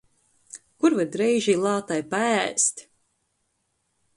Kur var dreiži i lātai paēst?